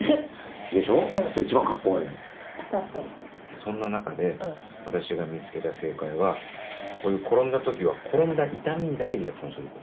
そんな中で私が見つけた正解は転んだ時は転んだ痛みにだけリアクションすること。